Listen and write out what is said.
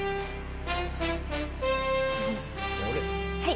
はい。